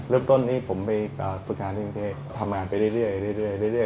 เริ่มต้นนี้ผมไปฝึกงานทำงานไปเรื่อย